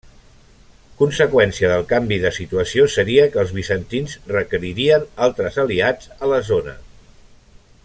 Conseqüència del canvi de situació seria que els bizantins requeririen altres aliats a la zona.